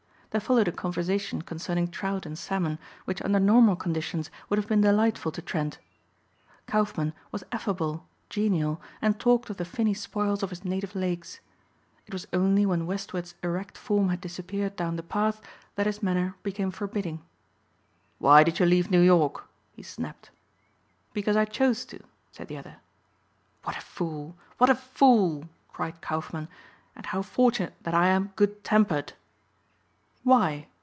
There followed a conversation concerning trout and salmon which under normal conditions would have been delightful to Trent. Kaufmann was affable, genial, and talked of the finny spoils of his native lakes. It was only when Westward's erect form had disappeared down the path that his manner became forbidding. "Why did you leave New York?" he snapped. "Because I chose to," said the other. "What a fool! what a fool!" cried Kaufmann, "and how fortunate that I am good tempered." "Why?"